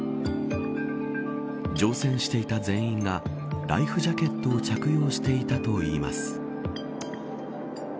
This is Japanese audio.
乗船していた全員がライフジャケットを着用していたといいます。